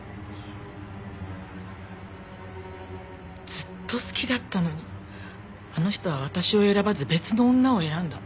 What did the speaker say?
ずっと好きだったのにあの人は私を選ばず別の女を選んだ。